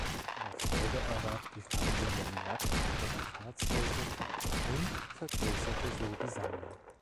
In der Folge erwarb die Familie Merk weitere Fahrzeuge und vergrößerte so die Sammlung.